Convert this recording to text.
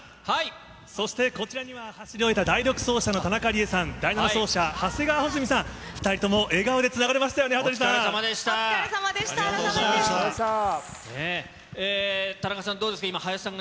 そしてこちらには、走り終えた第６走者の田中理恵さん、第７走者、長谷川穂積さん、２人とも笑顔でつながれましたよね、羽鳥さん。